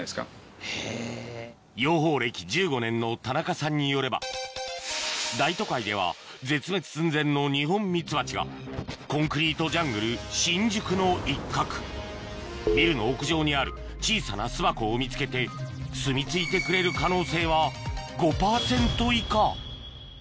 養蜂歴１５年の田中さんによれば大都会では絶滅寸前のニホンミツバチがコンクリートジャングル新宿の一角ビルの屋上にある小さな巣箱を見つけてだからハチ来てくれるかな。